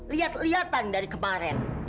liat liatan dari kemarin